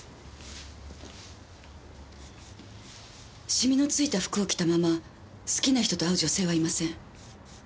シミのついた服を着たまま好きな人と会う女性はいません。